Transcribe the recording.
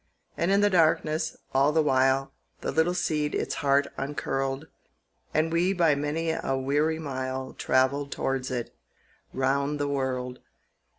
And in the darkness, all the while, The little seed its heart uncurled, And we by many a weary mile Travelled towards it, round the world.